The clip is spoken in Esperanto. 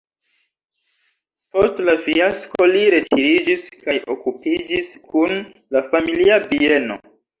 Post la fiasko li retiriĝis kaj okupiĝis kun la familia bieno.